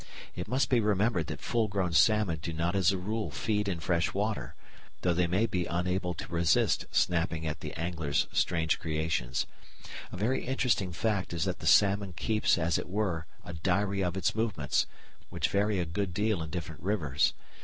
It must be remembered that full grown salmon do not as a rule feed in fresh water, though they may be unable to resist snapping at the angler's strange creations. A very interesting fact is that the salmon keeps as it were a diary of its movements, which vary a good deal in different rivers.